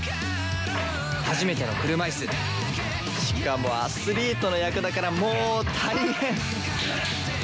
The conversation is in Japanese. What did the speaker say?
初めての車いすしかもアスリートの役だからもう大変！